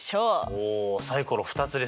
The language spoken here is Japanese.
おおサイコロ２つですか。